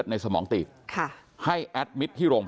พี่สาวของเธอบอกว่ามันเกิดอะไรขึ้นกับพี่สาวของเธอ